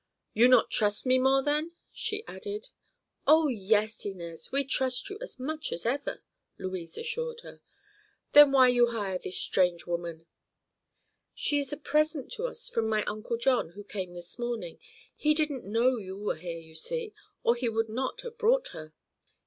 "You not trust me more, then?" she added. "Oh, yes, Inez; we trust you as much as ever," Louise assured her. "Then why you hire this strange woman?" "She is a present to us, from my Uncle John, who came this morning. He didn't know you were here, you see, or he would not have brought her."